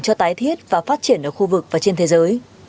cho tái thiết và phát triển ở khu vực và trên thế giới